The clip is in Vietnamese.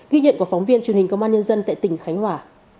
ghi nhận của phóng viên truyền hình công an nhân dân tại tỉnh khánh hòa